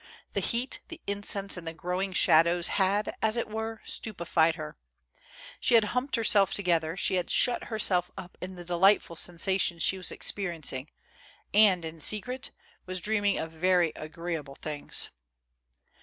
The heat, the incense and the growing shadows had, as it were, stupefied her. She had humped THE FAST. 299 herself together, she had shut herself up in the delightful sensations she was experiencing, and, in secret, was dreaming of very agreeable things.